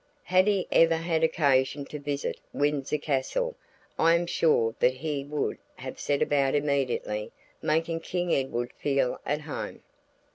Had he ever had occasion to visit Windsor Castle I am sure that he would have set about immediately making King Edward feel at home.